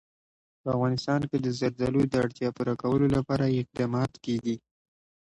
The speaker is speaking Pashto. په افغانستان کې د زردالو د اړتیاوو پوره کولو لپاره اقدامات کېږي.